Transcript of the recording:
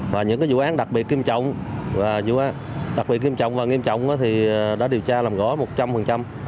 và những vụ án đặc biệt kiêm trọng và nghiêm trọng đã điều tra làm rõ một trăm linh